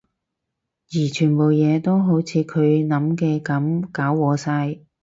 而全部嘢都好似佢諗嘅噉搞禍晒